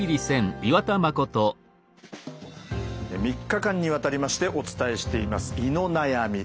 ３日間にわたりましてお伝えしています「胃の悩み」。